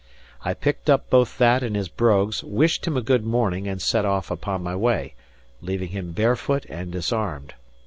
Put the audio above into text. I picked up both that and his brogues, wished him a good morning, and set off upon my way, leaving him barefoot and disarmed.